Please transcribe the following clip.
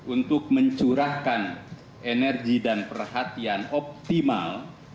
untuk mencurahkan energi dan perhatian optimal